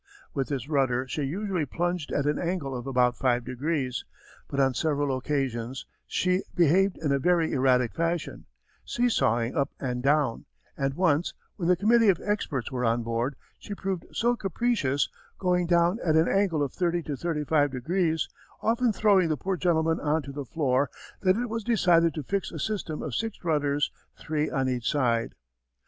With this rudder she usually plunged at an angle of about 5°, but on several occasions she behaved in a very erratic fashion, seesawing up and down, and once when the Committee of Experts were on board, she proved so capricious, going down at an angle of 30° 35°, often throwing the poor gentlemen on to the floor, that it was decided to fix a system of six rudders, three on each side.